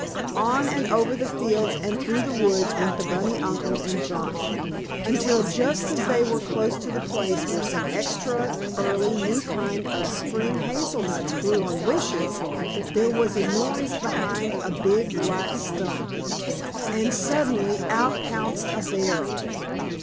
On and over the fields and through the woods went the bunny uncle and Johnnie, until, just as they were close to the place where some extra early new kind of Spring hazel nuts grew on bushes, there was a noise behind a big black stump and suddenly out pounced a bear!